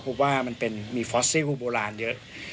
รู้จักว่ามันมีฟอสซิลโบราณเยอะ